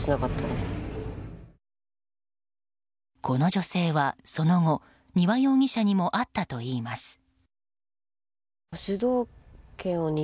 この女性は、その後丹羽容疑者にも会ったといいます。